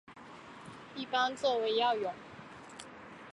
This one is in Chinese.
一般作为药用。